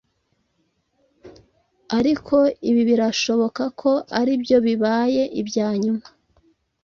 ariko ibi birashoboka ko ari byo bibaye ibya nyuma.